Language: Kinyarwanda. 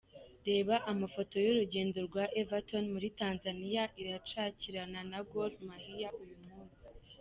Reba Amafoto y’urugendo rwa Everton muri Tanzania iracakirana na Gor Mahia uyu munsi .